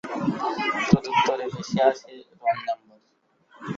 প্রত্যুত্তরে ভেসে আসে ‘wrong number’.